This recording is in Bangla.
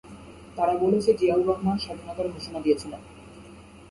তারা বলেছে জিয়াউর রহমান স্বাধীনতার ঘোষণা দিয়েছিলেন।